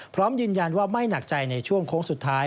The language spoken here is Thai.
พร้อมยืนยันว่าไม่หนักใจในช่วงโค้งสุดท้าย